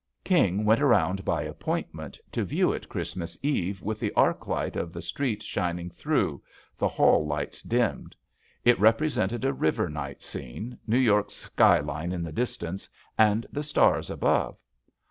King went around by appointment to view it Christmas eve with the arc light of the street shining through, the ^ JUST SWEETHEARTS hall lights dimmed. It represented a river night scene, New York's skyline in the dis tance and the stars above.